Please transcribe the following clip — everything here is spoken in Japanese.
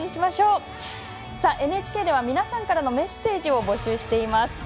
ＮＨＫでは皆さんからのメッセージを募集しています。